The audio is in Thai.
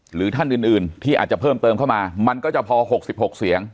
หรือท่านอื่นที่อาจจะเพิ่มเติมเข้ามามันก็จะพอ๖๖เสียง